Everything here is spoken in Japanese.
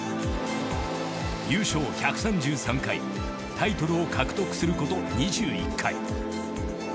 優勝１３３回タイトルを獲得すること２１回。